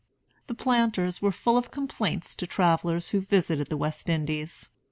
The planters were full of complaints to travellers who visited the West Indies.